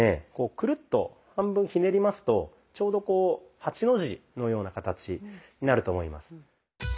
くるっと半分ひねりますとちょうどこう８の字のような形になると思います。